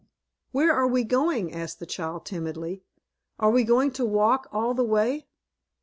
"Where are we going?" asked the child, timidly. "Are we going to walk all the way?"